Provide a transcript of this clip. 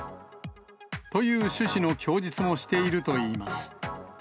という趣旨の供述もしているといいます。